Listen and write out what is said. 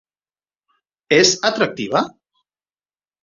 És atractiva?